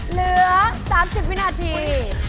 เหลือ๓๐วินาที